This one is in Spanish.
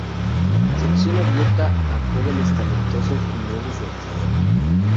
Sección abierta a jóvenes talentos y nuevos realizadores.